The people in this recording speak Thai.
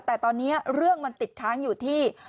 แต่ตอนนี้เรื่องมันติดค้างอยู่ที่